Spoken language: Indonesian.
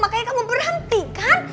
makanya kamu berhenti kan